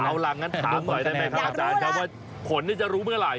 เอาล่ะงั้นถามหน่อยได้ไหมครับอาจารย์ครับว่าผลจะรู้เมื่อไหร